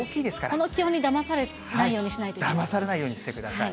この気温にだまされようにしだまされないようにしてください。